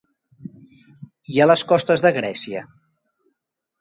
I a les costes de Grècia?